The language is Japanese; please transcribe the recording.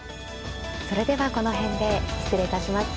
それではこの辺で失礼いたします。